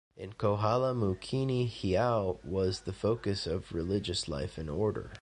In Kohala Mookini Heiau was the focus of religious life and order.